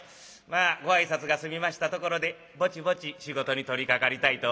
まあご挨拶が済みましたところでぼちぼち仕事に取りかかりたいと思いますが。